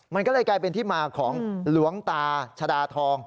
มันก็เลยกลายเป็นที่มาของหลวงตาชดาทอง